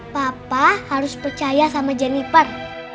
papa harus percaya sama jenniper